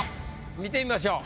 見てみましょう。